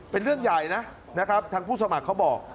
เป็นเรื่องใหญ่นะนะครับทางผู้สมัครเขาบอก